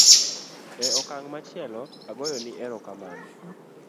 e okang' machielo agoyo ni erokamano